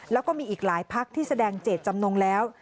แล้วก็มีอีกหลายพักที่แสดงเจตจำนงแล้ว